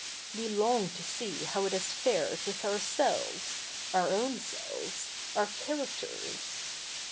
We long to see lurd) it has fared with ourselves — our ozvn selves — our characters.